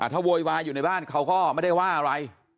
ถ้าโวยวายอยู่ในบ้านเขาก็ไม่ได้ว่าอะไร